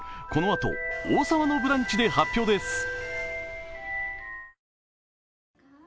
このあと「王様のブランチ」で発表です。